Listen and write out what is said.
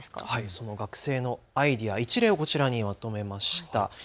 その学生のアイデア、こちらに一例をまとめました。